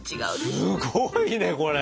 すごいねこれ。